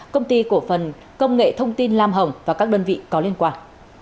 công ty cổ phần công nghệ thông tin lam hồng và các đơn vị có liên quan